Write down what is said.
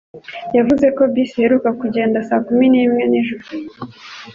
Yavuze ko bisi iheruka kugenda saa kumi nimwe nijoro.